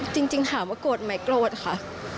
จริงถามว่าโกรธไหมโกรธค่ะ